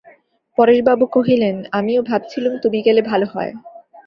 পরেশবাবু কহিলেন, আমিও ভাবছিলুম, তুমি গেলে ভালো হয়।